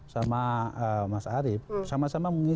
saya sudah digelifikasi